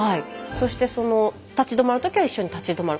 そしてその立ち止まる時は一緒に立ち止まる。